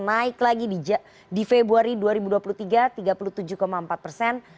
naik lagi di februari dua ribu dua puluh tiga tiga puluh tujuh empat persen